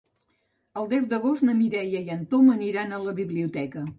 El deu d'agost na Mireia i en Tom aniran a la biblioteca.